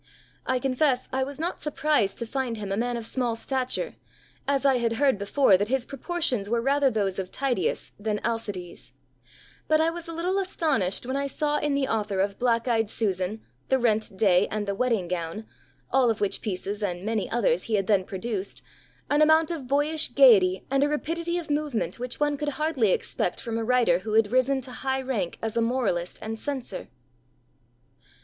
I confess I was not surprised to find him a man of small stature, as I had heard before that his proportions were rather those of Tydeus than of Alcides; but I was a little astonished when I saw in the author of Black eyed Susan, The Rent Day, and The Wedding Gown, (all of which pieces and many others he had then produced), an amount of boyish gaiety and a rapidity of movement which one could hardly expect from a writer who had risen to high rank as a moralist and censor."